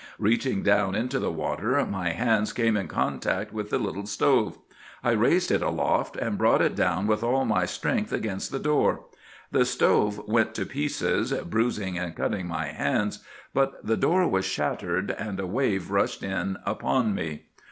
Reaching down into the water my hands came in contact with the little stove. I raised it aloft, and brought it down with all my strength against the door. The stove went to pieces, bruising and cutting my hands; but the door was shattered, and a wave rushed in upon me.